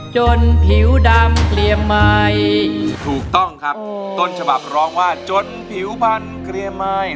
จนผิวดำเกียวไหมถูกต้องครับโอ้ต้นฉบับร้องว่าจนผิวพันเกียวไหม